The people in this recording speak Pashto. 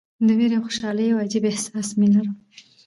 د ویرې او خوشالۍ یو عجیب احساس مې لرم.